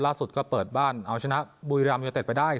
ล่าสุดก็เปิดบ้านเอาชนะบุยรามยาเต็ดไปได้